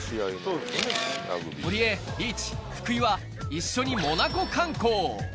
堀江、リーチ、福井は一緒にモナコ観光。